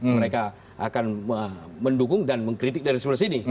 mereka akan mendukung dan mengkritik dari sumber sini